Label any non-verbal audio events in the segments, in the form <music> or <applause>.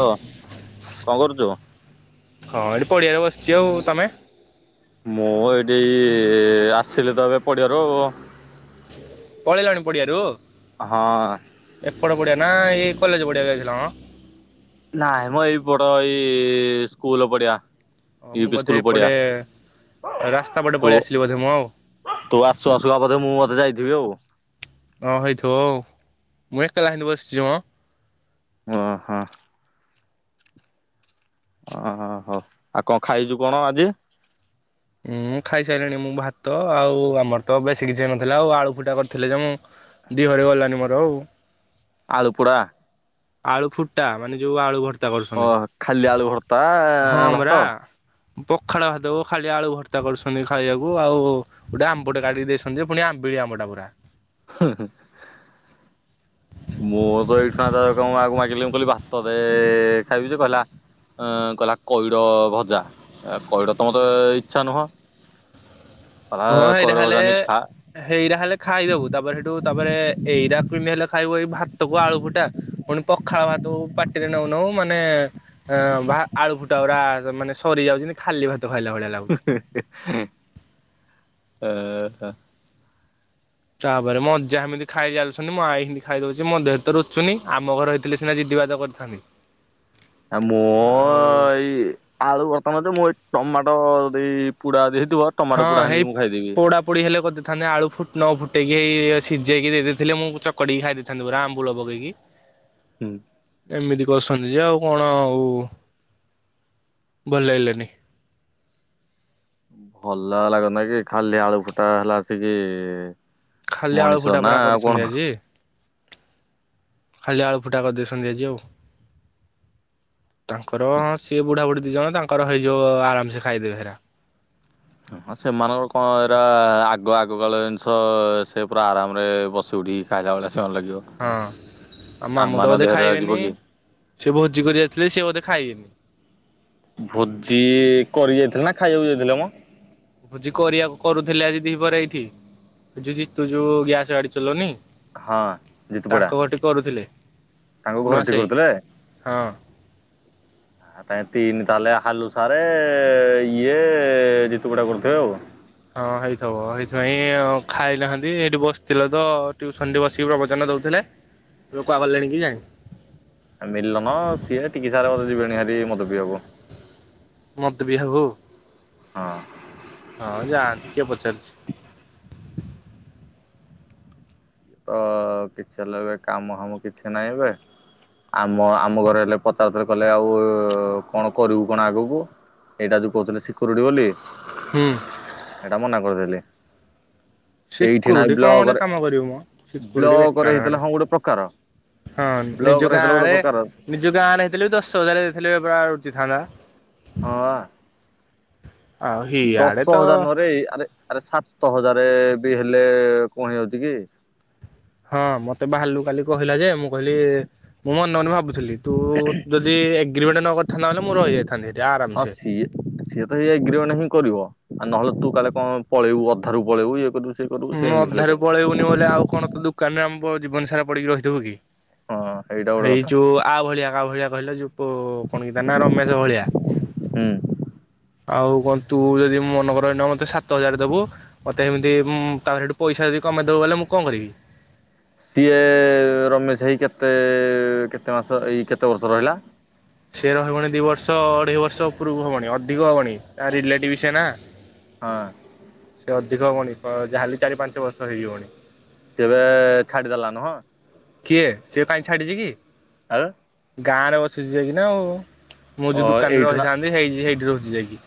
Hello, କଣ କରୁଛୁ? ହଁ, ଏଇଠି ପଡ଼ିଆରେ ବସିଛି ଆଉ ତମେ? ମୁଁ ଏଇଠି ଏଇ ଆସିଲି ତ ଏବେ ପଡିିଆରୁ ପଳେଇଲଣି ପଡିଆରୁ? ହଁ ଏପଟ ପଡ଼ିଆ ନା ଏଇ କଲେଜ୍ ପଡ଼ିଆକୁ ଯାଇଥିଲ ମ? ନାଇଁ ମ ଏଇ ବଡ ଏଇ ସ୍କୁଲ ପଡିଆ। ହଁ ୟୁ ମୁଁ ପି ବୋଧେ ସ୍କୁଲ ପଡିଆ ଏପଟେ ରାସ୍ତା ପଟେ ତୁ ପଳେଇ ଆସିଲି ବୋଧେ ମୁଁ ଆଉ। ତୁ ଆସୁ ଆସୁ ବା ବୋଧେ ମୁଁ ବୋଧେ ଯାଇଥିବି ଆଉ। ଅ ହେଇଥିବ ଆଉ ମୁଁ ଏକେଲା ସେମିତି ବସିଛି ମ। ଓହୋ ଓହୋ ହୋ ହଉ କଣ ଖାଇଛୁ କଣ ଆଜି? ଉଁ ଖାଇସାରିଲିଣି ମୁଁ ଭାତ ଆଉ ଆମର ତ ବେଶୀ କିଛି ହେ ନଥିଲା ଆଉ ଆଳୁ ଫୁଟା କରିଥିଲେ ଯେ ମୁଁ ଦିହରେ ଗଲାନି ମୋର ଆଉ। ଆଳୁପୁଡା। ଆଳୁ ଫୁଟା ମାନେ ଯୋଉ ଆଳୁ ଭର୍ତ୍ତା ଓ ଖାଲି କରୁଛନ୍ତି ଆଳୁ ଭର୍ତ୍ତା ହଁ ଭାତ। ପରା। ପଖାଳ ଭାତ କୁ ଖାଲି ଆଳୁ ଭର୍ତ୍ତା କରୁଛନ୍ତି ଖାଇବାକୁ ଆଉ ଗୋଟେ ଆମ୍ବଟେ କାଟିକି ଦେଇଛନ୍ତି ଯେ ପୁଣି ଆମ୍ବିଳି ଆମ୍ବଟେ ପୂରା। ହୁଁ ହୁଁ। ମୁଁ <unintelligible> ଆଗକୁ ମାଗିଲି ମୁଁ କହିଲି ଭାତ ଦେ ଖାଇବି ଯେ କହିଲା ଅ କହିଲା କଇଡ ଭଜା କଇଡ ତ ମତେ ଇଚ୍ଛା ନୁହଁ। କହିଲା କଇଡ ଭଜା ନେଇକି ଖା। ହେଇରା ହେଲେ ଖାଇଦବୁ ତାପରେ ହେଠୁ ତାପରେ ଏଇରା କିନ୍ତି ହେଲେ ଖାଇବୁ ଏଇ ଭାତକୁ ଆଳୁ ଫୁଟା? ପୁଣି ପଖାଳ ଭାତକୁ ପାଟିରେ ନଉନଉ ମାନେ ଏ ଭା ଆଳୁ ଫୁଟା ଗୁରା ମାନେ ସରିଯାଉଛନ୍ତି ଖାଲି ଭାତ ଖାଇଲା ଭଳିଆ ଲାଗୁ ହେଁ ହେଁ ହେଁ। ଏ ହେଁ ତାପରେ ମଜା ଏମିତି ଖାଇ ଚାଲୁଛନ୍ତି ମୁଁ ଆଇକି ଖାଇଦଉଚି ମଜା ବି ତ ରୁଚୁନି ଆମ ଘରେ ଥିଲେ ସିନାଜିଦି ବାଦ କରିଥାନ୍ତି। ଆ ମୁଁ ଆଉ ଇଏ ଆଳୁ ବର୍ତ୍ତମାନ ମୁଁ ଏଇ ଟମାଟୋ ଦେଇ ପୁଡ଼ା ଦେଇଥିବ ହଁ ହେଇ ପୋଡା ପୋଡ଼ି ହେଲେ କରିଦେଇଥାନ୍ତେ ଆଳୁ ଫୁ ନ ଫୁଟେଇକି ସିଝେଇକି ଦେଇେଦେଇଥିଲେ ମୁଁ ଚକଡ଼ିକି ଖାଇ ଦେଇଥାନ୍ତି ପରା ଆମ୍ବୁଳ ପକେଇକି। ହୁଁ। ଏମିତି କରଛନ୍ତି ଯେ ଆଉ କଣ ଆଉ ଭଲ ଲାଗିଲାନି। ଭଲ ଲାଗନ୍ତା କି ଖାଲି ଆଳୁ ଫୁଟା ହେଲାଆସିକି ଖାଲି ଆଳୁ ଫୁଟା ପରା କରିଛନ୍ତି ଆଜି। ଖାଲି ଆଳୁ ଫୁଟା କରିଦେଇଛନ୍ତି ଆଜି ଆଉ। ତାଙ୍କର ହଁ ସିଏ ବୁଢା ବୁଢୀ ଦି ଜଣ ତାଙ୍କର ହେଇଯିବ ଆରାମସେ ଖାଇଦେବେ ହେରା। ହଁ ସେମାନଙ୍କର କଣ ଏଇରା ଆଗ ଆଗକାଳ ଜିନିଷ ସେ ପୁରା ଆରାମରେ ବସି ଉଠି ଖାଇଲାଭଳା ଶଳା ଲାଗିବ। ହଁ ଆଉ ମାମୁଁ ତ ଆମମାନଙ୍କ ବୋଧେ ଦେହରେ ଏରା ଯିବ ଖାଇବେନି କି? ସେ ଭୋଜି କରି ଯାଇଥିଲେ ସେ ବୋଧେ ଖାଇବେନି। ଭୋଜି କରି ଯାଇଥିଲା ନା ଖାଇବାକୁ ଯାଇଥିଲା ମ? ଭୋଜି କରିବାକୁ କରୁଥିଲେ ଆଜି ଦିପରେ ଏଇଠି ଏଜୁ ଜିତୁ ଯୋଉ ଗ୍ୟାସ ଗାଡି ଚଲଉନି? ହଁ ଜିତୁ ପଡା ତାଙ୍କ ଘର ଠି କରୁଥିଲେ। ତାଙ୍କ ନୂଆ ଘର ଟି ସାହି କରୁଥିଲେ? ହଁ। ତାଙ୍କେ ତିନି ତାହେଲେ ହାଲୁସାରେ ଇଏ ଜିତୁ ପଇଡା କରୁଥିବେ ଆଉ। ହଁ ହେଇଥିବ ଏଇଥିପାଇଁ ଆଉ ଖାଇନାହାନ୍ତି ଏଇଠି ବସିଥିଲେ ତ ଟ୍ୟୁସନରେ ବସିକି ପ୍ରବଚନ ଦ ଥିଲେ ଏବେ କୁଆଗଲେଣି କି ଜାଣି? ମିଲନ ସିଏ ଟିକି ସାରେ ଯିବେଣି ହେରି ମଦପିଇବାକୁ। ମଦ ପିଇବାକୁ? ହଁ। ହଁ ଯାଆନ୍ତୁ କିଏ ପଚାରୁଛି। ତ କିଛି ହେଲେ ଏବେ କାମ ହାମ କିଛି ନାହିଁ ଏବେ। ଆମ ଆମ ଘରେ ହେଲେ ପଚାରୁଥିଲେ କଲେ ଆଉ କଣ କରିବୁ କଣ ଆଗକୁ? ହେଇଟା ଯୋଉ କହୁଥିଲେ ଶିକୁରୁଟି ବୋଲି। ହୁଁ ଏଇଟା ମନା କରିଦେଲି ଏଇଠି ନାଇଁ ସିକୁରିଟି କଣ ବ୍ଲକରେ କାମ କରିବ ମ ସିକୁରିଟି ବ୍ଲକରେ ବେକାର ହେଇଥିଲା ଟାଡେ ହଁ ଗୋଟେ ପ୍ରକାର ହଁ ନିଜ ବ୍ଲକରେ ହେଇଥିଲା ଗାଁ ଗୋଟେ ରେ ପ୍ରକାର ନିଜ ଗାଁରେଇଥିଲେ ଦଶ ହଜାର ଦେଇଥିଲେ ପୁରା ରୁଚି ଥାନ୍ତା ହଁ ଆ ଆଉ ହିଆଡେ ତ ଦଶ ହଜାର ନରେ ଆରେ ଆରେ ସାତ ହଜାର ବି ହେଲେ କଣ ହେଇଯାଉଛି କି ହଁ ମତେ ଭାଲୁ କାଲି କହିଲା ଯେ ମୁଁ କହିଲି ମୁଁ ମନେ ମନେ ଭାବୁଥିଲି ତୁ ଯଦି ଏଗ୍ରିମେଣ୍ଟ ନ କରିଥାନ୍ତା ବଳେ ମୁଁ ରହିଯାଇଥାନ୍ତି ଆରାମ ହସି ସିଏ ତ ଏଗ୍ରିମେଣ୍ଟ ହିଁ କରିବ ଆ ନହେଲେ ତୁ କାଲେ କଣ ପଳେଇବୁ ଅଧାାରୁୁ ପଳେଇବୁ ଇଏ କରିବୁ ହେ ପ୍ରଭୂ ସେ ଏମିତି ଖାଲି କହିଲା ନଲେ ଆଉ କଣ ତ ଦୋକାନରେ ଆମ ଜୀବନ ସାରା ପଡିକି ରହିଥିବୁ କି ହଁ ସେଇଟା ଗୋଟେ ଏଇ କଥା ଯୋଉ ଆ ଭଳିଆ କା ଭଳିଆ କହିଲେ ଯୁ କଣ କିତା ନା ରମେଶ ଭଳିଆ ହୁଁ ଆଉ କଣ ତୁ ଯଦି ମନେକର ଇନେ ମତେ ସାତ ହଜାର ଦବୁ ମତେ ସେମିତି ତାପରେ ସେଠି ପଇସା ଯଦି କମେଇଦବ ବଲେ ମୁଁ କଣ କରିବି। ସିଏ ରମେଶ ଭାଇ କେତେ କେତେ ମାସ ଏଇ କେତେ ବର୍ଷ ରହିଲା। ସେ ରହିବନି ଦି ବର୍ଷ ଅଢେଇ ବର୍ଷ ଉପର କୁ ହବଣି ଅଧିକ ହବଣି ତା ରିଲେଟିଭ ସେଏ ନା। ହଁ। ସେ ଅଧିକ ହେବନି ଯାହାେଲେ ଚାରି ପାଞ୍ଚ ବର୍ଷ ହେଇଯିବଣି। ସେ ବୋଧେ ଛାଡିଦେଲା ନୁହଁ। କିଏ ସେିଏ କାଇଁ ଛାଡିଛି କି? ଆଉ। ଗାଁ ରେ ବସିଛି ଯାଇକିନା ଆଉ ମୁଁ ଓ ଯୋଉ ଦୋକାନ ରେ ଏଇଠୁ ନା ରହିଥାନ୍ତି ହେଇ ସେଇଠି ରହୁଛି ଯାଇକି।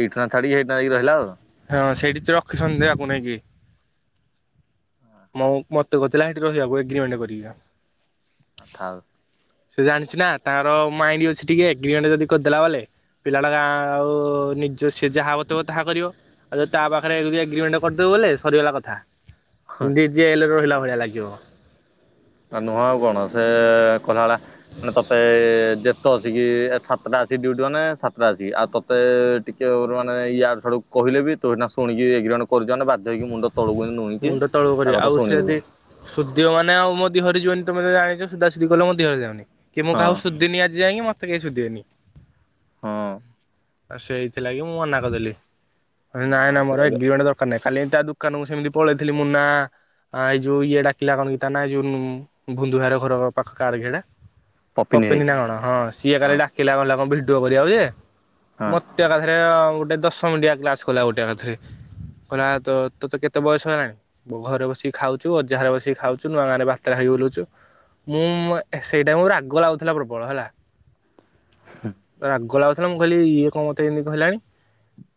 ଏଇଠାକିନା ଛାଡ଼ିକି ସେଇଠିକିନା ରହିଲା ଆଉ। ହଁ ସେଇଠି ତ ରଖି ସନ୍ଧ୍ୟେହାକୁ ନେଇାଇଁକି <unintelligible> ମୁଁ ମତେ କହୁଥିଲା ସେଠି ରହିବାକୁ ଏଗ୍ରିମେଣ୍ଟ କରିକିନ। ଆଥାଉ <inaudible> ସେ ଜାଣିଛି ନା ତାଙ୍କର ମାଇଣ୍ଡ ଅଛି ଟିକେ ଏଗ୍ରିମେଣ୍ଟ ଯଦି କରିଦେଲା ବେଲେ ପିଲାା ଗାଁ ଆଉ ନିଜ ସେି ଯାହା ବତେଇବ ତାହା କରିବ। ଆ ତା ପାଖରେ ଏଗ୍ରିମେଣ୍ଟ କରିଦେବ ବେଲେ ସରିଗଲା କଥା। ଜେଲ୍‌ରେ ରହିଲା ଭଳିଆ ଲାଗିବ। ନୁହଁ ଆଉ କଣ ସେ କହିଲା ବ ମାନେ ତତେ ଯେତେ ଆସିକି ସାତଟା ଆସିକି ଡିଭଟି ମାନେ ସାତଟା ଆସିକି ଆଉେ ମତେ ଟିକେ ମାନେ ୟ ଛଡୁ କହେ ବି ତୁଇଟନା ଶୁଣିକି ଏଗ୍ରିମେଣ୍ଟ କରୁଛ ବା <unintelligible> ଯାଇକି ମୁଣ୍ଡ ତଳୁକୁ ନୁଆଇକି ତା କଥା ଶୁଣିବୁ। ସୁଦିବ ମାନେ ଆଉ ଦିହରେ ଯିବନି ତମେ ତ ଜାଣିଛ ସୁଧା ସୁଧି କଲେ ମୋ ଦେହରେ ଯିବନି। କି ମୁଁ ହଁ କାହାକୁ ସୁଧିନି ଆଜି ଯାଙ୍କେ ମତେ କେହି ସୁଧିବେନି। ହଁ। ଆଉ ସେଇଥିଲାଗି ମୁଁ ମନା କରିଦେଲି ମୋ ନାଇଁ ନା ହାତରେ ମୋର ଏବେ ଏଗ୍ରିମେଣ୍ଟ ଦ କାଲି ତା ଦୋକାନକୁ ସେମିତି ପଳେଇଥିଲି ମୁନା। ଆଁ ଏଇ ଯୋଉ ଇଏ ଡାକିଲା କଣକି ତା ନା ଯୋଉ ଭୁନ୍ଧୁ ଭାଇ ହର ଘର ପାଖ କାର ହେଟା। ପପିନି ନା କଣ ହଁ ସିଏ କାଲି ହଁ ଡାକିଲା କଣିଲ କଣ ଭିଡିଓ କରିବାକୁ ଯେ। ହଁ ମତେ ଏକାଥରେ ଗୋଟେ ଦଶମିନ୍ଟିଆ କ୍ଲାସ କଲା ଗୋଟେ ଏକାଥରେ। କହିଲା ତୋ ତୋତ କେତେ ବୟସ ହେଲାଣି? ମୋ ଘରେ ବସିକି ଖାଉଚୁ ଅଜାଘରେ ବସିକି ଖାଉଚୁ ନୂଆ ଗାଁରେ ବାତରା ହେଇ ବୁଲୁଚୁ। ମୁଁ ମ ସେଇଟା ମୁଁ ରାଗ ଲାଗୁଥିଲା ପ୍ରବଳ ହେଲା ରାଗ ଲାଗୁ ହେଲା ମୁଁ କହିଲି ଇଏ କଣ ମତେ ଏମିତି କହିଲାଣି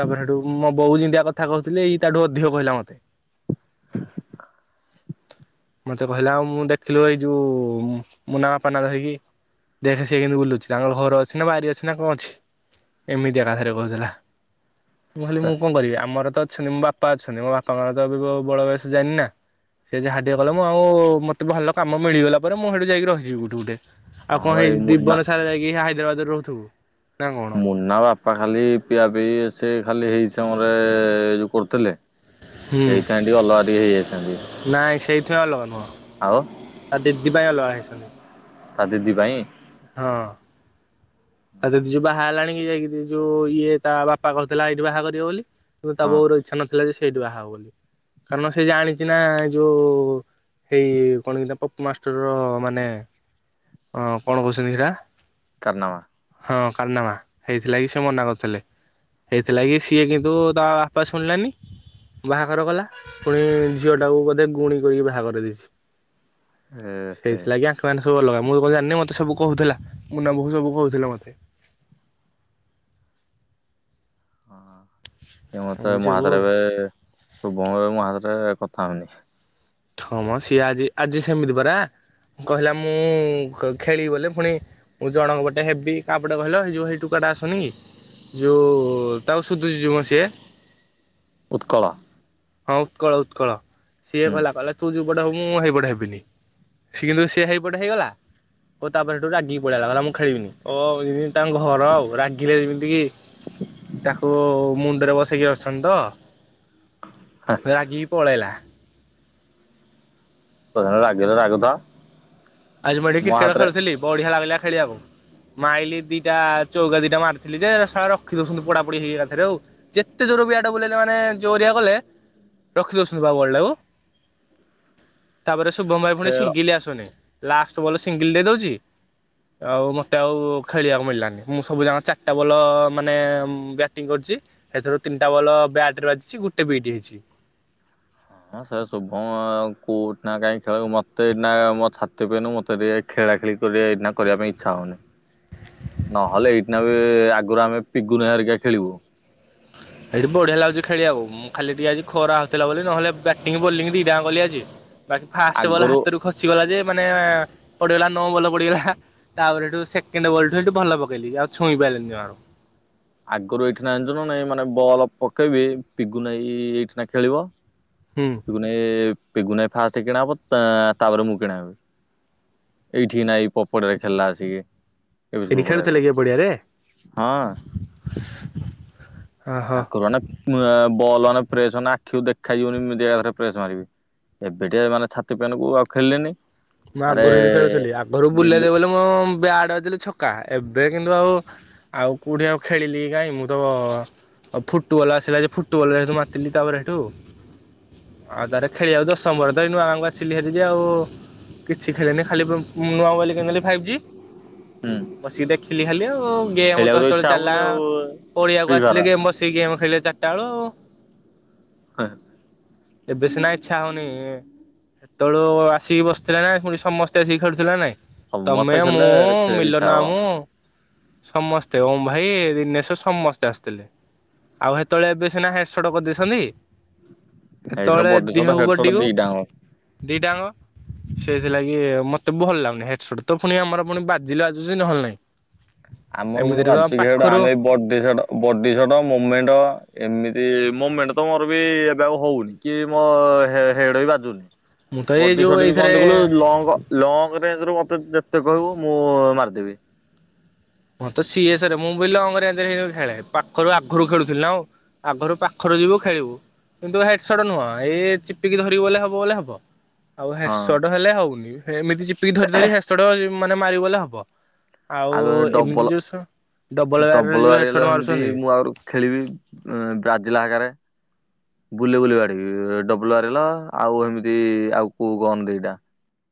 ତାପରେ ସେଇଠୁ ମୋ ବୋଉ ଯେମିତିଆ କଥା କହୁଥିଲେ ଏଇ ତା ଠୁ ଅଧିକ କହିଲା ମତେ। ମତେ କହିଲା ଆଉ ମୁଁ ଦେଖିଲୁ ଏଇ ଯୋଉ ମୁନା ବାପା ନା ଧରିକି ଦେଖେ ସିଏ କେମିତି ବୁଲୁଛି ତାଙ୍କ ଘର ଅଛି ନା ବାରି ଅଛି ନା କଁ ଅଛି? ଏମିତି ଏକାଥରେ କହୁଥିଲା ମୁଁ କହିଲି ସେ ମୁଁ କଣ କରିବି ଆମର ତ ଅଛନ୍ତି ବାପ୍ ବାପା ଅଛନ୍ତି। ମୋ ବାପାଙ୍କର ତ ଏବେ ବି ବଳ ବୟସ ଯାଇନି ନା? ସେ ଯାହା ଟିକିଏ କଲେ ମୁଁ ଆଉ ମୋତେ ଭଲ କାମ ମିଳିଗଲା ପରେ ମୁଁ ସେଇଠୁ ଯାଇକି ରହିିଯିବି ଗୁଟେ ଗୁଟେ। ଆଉ ହଁ କଣ ଭାଇ ହେଇ ମୁନା ଜୀବନ ସାରା ଯାଇକି ହେ ହାଇଦ୍ରାବାଦରେ ରହୁଥିବୁ ନା କଣ? ମୁନା ବାପା ଖାଲି ପିଆ ପିଇ ସେ ଖାଲି ହେଇଚି। ତମ ରେ ଯୋଉ କରୁଥଲେ ହୁଁ ହେଇଥାନ୍ତି ଅଲଗା ଟିକେ ହେଇଯାଇଥାନ୍ତି। ନାଇଁ ଆଉ ଆ ଦିିଦି ପାଇଁ ଅଲଗା ହେଇଛନ୍ତି। ତା ଦିଦି ପାଇଁ? ହଁ। ଆଉ ଦିଦି ଯୋଉ ବାହା ହେଲାଣି କି ଯାଇକି ଯୋଉ ଇଏ ତା ବାପା କହୁଥିଲା ଏଇଠି ବାହା କରିବ ବୋଲି। କିନ୍ତୁ ତା ହଁ ବୋଉର ଇଚ୍ଛା ନଥିଲା ଯେ ସେଇଠୁ ବାହାହବ ବୋଲି କାରଣ ସେ ଜାଣିଚି ନା ଯୋଉ ଏଇ କଣ କି ସେଆ ପପୁମାଷ୍ଟର ର ମାନେ ଅ କଣ କହୁଛନ୍ତି ଇରା କାରନାମା। ହଁ କାରନାମା ହେଇଥିଲାଗି ସେ ମନା କରିଥିଲେ। ହେଇଥିଲାଗି ସିଏ କିନ୍ତୁ ତା ବାପା ଶୁଣିଲାନି‌। ବାହାଘର କଲା ପୁଣି ଝିଅଟାକୁ ବୋଧେ ଗୁଣି କରିକି ବାହାଘର ଦେଇଛି। ହେ ସେଇଥିଲାଗି ଆଙ୍କ ମାନେ ସବୁ ଅଲଗା ମୁଁ କଁ ଜାଣିନି ମତେ ସବୁ କହୁଥେଲା ମୁନା ଆମକୁ ସବୁ କହୁଥେଲା ମତେ। ଏ ମତେ ଏମିତି ମୋ ସବୁ ହାତରେ ଆଉ ଏବେ ଶୁଭଙ୍କର ମୋ ହାତରେ କଥା ହଉନି। ହଁ ମ ସିଏ ଆଜି ଆଜି ସେମିତି ପରା କହିଲା ମୁଁ ଖେଳିବି ବୋଲେ ଫୁଣି ମୁଁ ଜଣଙ୍କ ପଟେ ହେବି କାପଟେ କହିଲ ହେଇଯୋଉ ହେଇ ଟୁକାଟା ଆସୁନି କି? ଯୋଉ ତାକୁ ସୁୁଦୁଚି ଯୋଉ ମ ସିଏ। ଉତ୍କଳ। ହଁ ଉତ୍କଳ ଉତ୍କଳ ସିଏ ହୁଁ କହିଲା କହିଲା ତୁ ଯେପଟେ ହବୁ ମୁଁ ହେଇପଟେ ହେବିନି। ସିଏ କିନ୍ତୁ ସେ ହେଇପଟେ ହେଇଗଲା ଓ ତାପରେ ସେଠୁ ରାଗିକି ପଳେଇଆଇଲା କହିଲା ମୁଁ ଖେଳିବିନି ଓ ଏମତି ତାଙ୍କ ଘର ଆଉ ରାଗିଲେ ଯେମିତି କି? ତାକୁ ମୁଣ୍ଡରେ ବସେଇକି ଅଛନ୍ତି ତ ଆ ରାଗିକି ପଳେଇଲା। ପ୍ରଧାନ ରାଗିଲେ ରାଗୁ ତ ଆଜି ମୁଁ ଏଇଠି କ୍ରିକେଟ ଖେଳୁଥିଲି ବଢିଆ ଲାଗିଲା ଖେଳିଆକୁ। ମାଇଲି ଦିଟା ଚୌକା ଦିଟା ମାରିଥିଲି ଯେ ଏରା ଶଳା ରଖି ଦଉଛନ୍ତି ପଡା ପଡିି ହେଇକି ଏକାଥରେ ଆଉ। ଯେତେ ଜୋରେ ବ୍ୟାଟ ବୁଲେଇଲେ ମାନେ ଜୋରିଆ କଲେ ରଖି ଦଉଛନ୍ତି ବା ବଲ୍ ଟାକୁ ତାପରେ ଶୁଭମ୍ ଭାଈ ପୁଣି ଖେଳ ସିଙ୍ଗିଲି ଆସୁନି। ଲାଷ୍ଟ ବଲ୍ ରେ ସିଙ୍ଗିଲ ଦେଇ ଦଉଚି। ଆଉ ମତେ ଆଉ ଖେଳିବାକୁ ମିଳିଲାନି। ମୁଁ ସବୁ ଯାଁକ ଚାରିଟା ବଲ ମାନେ ବ୍ୟାଟିଂ କରିଚି ସେଥର ତିନିଟା ବଲ ବ୍ୟାଟ ରେ ବାଜିିଛି ଗୋଟେଏ ବିଟ୍ ହେଇଛି। ହଁ ସେର୍ ଶୁଭମ କେଉଟ୍ ନାକାହିଁ ଖେଳ ମତେ ନାଁ ମୋ ଛାତି ପେନ୍ ମତେ ଏକ୍। ଖେଳା ଖେଳି କରେ ଏଇନାକ୍ କରିବା ପାଇଁ ଇଚ୍ଛା ହଉନି। ନହେଲେ ଏଇଟ୍ ନାଁ ବି ଆଗରୁ ଆମେ ଫିଗୁନା ହରିକା ଖେଳିବୁ ସେଇଠି ବଢିଆ ଲାଗୁଚି ଖେଳିବାକୁ। ମୁଁ ଖାଲି ଟିକେ ଆଜି ଖରା ହଉଥିଲା ବୋଲି ନହେଲେ ବ୍ୟାଟିଂ ବୋଲିଂ ଦିଇଟା ଜଙ୍କ କଲି ଆଜି ବାକି ଫାଷ୍ଟ ବଲ ଆଗରୁ ହାତରୁ। ଖସିଗଲା ଯେ ମାନେ ପଡିଗଲା ନଅଁ ଭଲ ପଡିଗଲା। ତାପରେ ଏଇଠୁ ସେକେଣ୍ଡ ବଲଟି ଭଲ ପକେଇଲି ଆଉ ଛଇଁପାରଲିିନି ଯମା। ଆଗରୁ ଏଇଠି ନାଁ <unintelligible> ମାନେ ବଲ ପକେଇଲେ ପିଗୁନାଇଁ ଏଇଠି ନାଁ ଖେଳିବ। ହୁଁ। ଗୁନେ ପିଗୁନା ଫାଷ୍ଟ କିଣା ହବ ତା ତାପରେ ମୁଁ କିଣା ହେବି। ଏଇଠି ନାଇଁ ଏଇ ପପଡିରେ ଖେଲା ଆଛିକି ଏଠି ଖେଳୁଥିଲେ କି ଏ ପଡିଆରେ <unintelligible> ହଁ। ଓହୋ। ଆକୁରନା ବଲନା ପ୍ରେସ୍ ମାନେ ଆଖିକୁ ଦେଖା ଯିବନି <unintelligible> ଆଗରେ ପ୍ରେସ୍ ମାରିବି। ଏବେ ଟିଏ ମାନେ ଛାତି ପାନକୁ ଆଉ ଖେଳିଲିନି। ମୁଁ ଆଗରୁ ଏମିତି ଖେଳୁଥିଲି ଆଗରୁ ବୁଲେଇ ନିଲୁ ଦବ ବଲେ ମୁଁ ବିଆଟ୍ ବାଜିଲେ ଛକା ଏବେ କିନ୍ତୁ ଆଉ। ଆଉ କୋଉଠି ଆଉ ଖେଳିଲି କାଇଁ ମୁଁ ତ। ଆଉ ଫୁଟୁ ବଲ ଆସିଲା ଯେ ଫୁଟୁ ବଲ ସେତୁ ମାତିିଲି ତାପରେ ସେଠୁ ଆଉ ଆଉ ତାରେ ଖେଳିବାକୁ ସମୟ ତ ଏଇନୁ <unintelligible> ସିଲେଇ <unintelligible> ଆଉ। କିଛି ଖେଳିନି ଖାଲି ବୁ ମୁଆଉ <unintelligible> ନେଲି ଫାଇଭ୍ ଜି। ହୁଁ ବସିକି ଦେଖିଲି ଖାଲି ଆଉ ଗେମ୍ ଖେଳିବାକୁ ତ ସେତେବେଳେ ଇଚ୍ଛା ଚାଲା ହବନି ଆଉ ପଡିଆକୁ ଫ୍ରି ଫାୟାର। ଆସିଲେ ବସ୍। ସେଇ ଗେମ୍ ଖେିଳେ ଚାଟା ବେଳୁ ଆଉ‌। <unintelligible> ଏବେ ସିନା ଇଚ୍ଛା ହେଉନି। ସେତେବେଳୁ ଆସିକି ବସିଥିଲା ନାଁ ପୁଣି ସମସ୍ତେ ଆସିକି ଖେଳୁଥିଲେନ ନାଇଁ। ତମେ ସମସ୍ତେ ମୁଁ ଖେଳିଲେ ଖେଳିବାକୁ ଇଚ୍ଛା ମିଲନ ହବ। ମାମୁଁ। ସମସ୍ତେ ଓମ୍ ଭାଇ ଦିନେଶ ସମସ୍ତେ ଆସିଥିଲେ। ଆଉ ହେତେବେଳେ ଏବେ ସିନା ହେଡ୍, ସଟ କରିଦେଇଥିଲି। ଏଇଥର ସେତେବେଳେ ବଡି ସଟ ଦିହକୁ, ହେଡ ବା ସଟ ଡିଉ ଦିଟାଙ୍କ ଦିଟାଯାକ। ସେଇଥିଲାଗି ମତେ ଭଲ ଲାଗୁନି ହେଡସୁଟ ତ ପୁଣି ଆମର, ପୁଣି ବାଜିଲେ ବାଜୁଚି ନହେଲେ ନାଇଁ। ଆମର ଗୁନୁ <unintelligible> ଆମେ ବଡେ ସେର। ବଡେ, ସର, ମୁମେଣ୍ଟଅ, ଏମିତି ମୁମେଣ୍ଟ ତ ମୁମେଣ୍ଟଅ ମୋର ବି ଏବେ ଆଉ ହଉନି। କି ମୋ ହୋ ହେଡ ବି ବାଜୁଚି ମୁଁ ତ ଏଇ ବଡି ଯୋଉ ସରରେ ବି ଏଇଥିରେ ବନ୍ଧ <unintelligible> ଲଙ୍ଗ ଲଙ୍ଗରେ ଏଥର ମୋତେ ଯେତେ କହିବୁ ମୁଁ ମାରିଦେବି। ହଁ ତ ସିଏ ସାରେ, ମୁଁ ବୁଇଲୁ ଲଙ୍ଗରେ <unintelligible> ଖେଳେ। ପାଖରୁ ଆଖରୁ ଖେଳୁଥିଲ ନାଁ ଆଉ। ଆଗରୁ ପାଖରୁ ଯିବ ଖାଇବାକୁ। କିନ୍ତୁ ହେଡସଟ ନୁହଁ ଏଇ ଚିପିକି ଧରିବୁ ବୋଲେ ହବ ବଲେ ହବ। ଆଉ ହଁ ହେଡସଟ ହେଲେ ହଉନି ଏମିତି ଚିପିକି ଧରି ଧରି ହେଡସଟ ମାନେ ମାରିବ ଗଲେ ହବ। ଆଉ ଆଗ ଏମିତି ଡବଲ ଯୋଉ ସ ଡବଲ ଗାରରେ ଯୋଉ ବାଡେଇଲେ ହେଡସଟ ସେମିତି ମାରୁଛନ୍ତି। ମୁଁ ଆହୁରି ଖେଳିବି ବ୍ରାଜିଲା ଆଗରେ। ବୁଲି ବୁଲି ବାଡେଇବି ଡବ୍ଲୁ ଆରଲ ଆଉ ଏମିତି, ଆଉ କୋଉ ଗନ ଦିଟା।